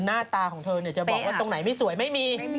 หน้าตาของเธอจะบอกว่าตรงไหนไม่สวยไม่มี